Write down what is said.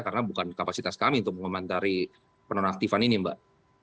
karena bukan kapasitas kami untuk mengomentari penonaktifan ini mbak